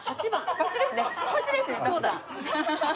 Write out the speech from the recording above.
こっちですね。